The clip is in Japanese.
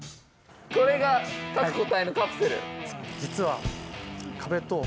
これが各個体のカプセル。